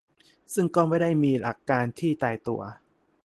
ซึ่งก็ไม่ได้มีหลักการที่ตายตัว